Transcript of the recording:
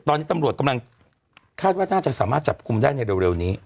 ตอนนี้ตำรวจกำลังคาดว่าน่าจะสามารถจับกลุ่มได้ในเร็วนี้